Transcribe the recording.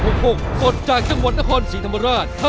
สดจากจังหวัดนครศรีธรรมราช